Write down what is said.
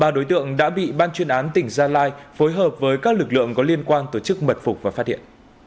ba đối tượng đã bị ban chuyên án tỉnh gia lai phối hợp với các lực lượng có liên quan tổ chức mật phục và phát hiện